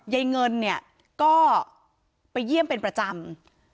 ยายเงินเนี่ยก็ไปเยี่ยมเป็นประจำ